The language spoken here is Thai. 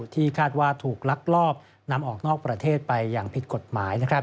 ที่คาดว่าถูกลักลอบนำออกนอกประเทศไปอย่างผิดกฎหมาย